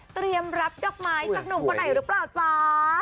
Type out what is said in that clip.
เตรียมรับดอกไม้จากหนุ่มคนไหนหรือเปล่าจ้า